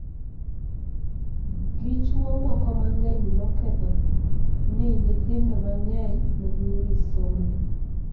gi chuwo moko mang'eny nokedho ni nyithindo mang'eny manyiri somb gi